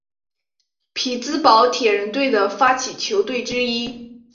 匹兹堡铁人队的发起球队之一。